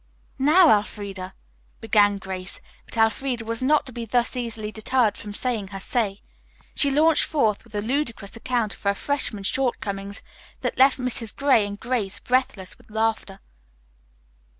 "Now, Elfreda " began Grace, but Elfreda was not to be thus easily deterred from saying her say. She launched forth with a ludicrous account of her freshman shortcomings that left Mrs. Gray and Grace breathless with laughter.